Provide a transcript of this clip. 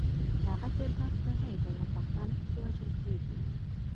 دغه کردار پردی دی او پښتانه پکې وژل کېږي.